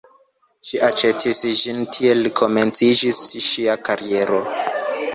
Ŝi aĉetis ĝin, tiel komenciĝis ŝia kariero.